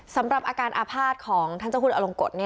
สำหรับอาการอาภาษณ์ของท่านเจ้าคุณอลงกฎ